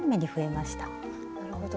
なるほど。